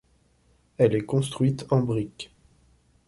Elle est construite en briques.